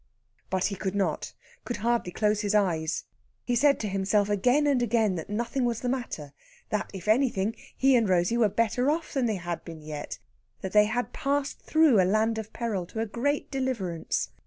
But he could not could hardly close his eyes. He said to himself again and again that nothing was the matter; that, if anything, he and Rosey were better off than they had been yet; that they had passed through a land of peril to a great deliverance.